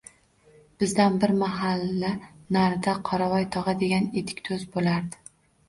Bizdan bir mahalla narida Qoravoy togʼa degan etikdoʼz boʼlardi.